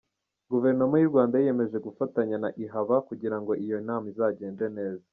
Guverinoma y’u Rwanda yiyemeje gufatanya na Ihaba kugira ngo iyo nama izagende neza.